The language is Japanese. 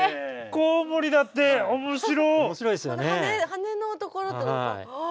羽のところというかあ。